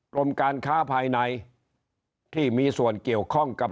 กรมการค้าภายในที่มีส่วนเกี่ยวข้องกับ